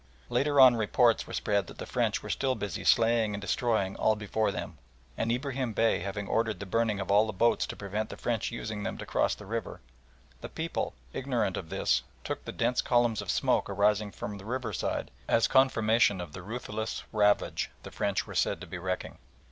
Later on reports were spread that the French were still busy slaying and destroying all before them, and, Ibrahim Bey having ordered the burning of all the boats to prevent the French using them to cross the river, the people, ignorant of this, took the dense columns of smoke arising from the riverside as confirmation of the ruthless ravage the French were said to be wrecking.